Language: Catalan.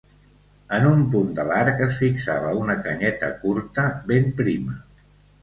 En un punt de l'arc es fixava una canyeta curta ben prima.